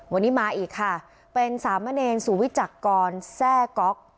วันนี้มาอีกค่ะเป็นสามเมอร์เนนสูวิจักรแทรก๊อก